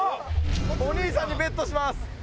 お兄さんにＢＥＴします。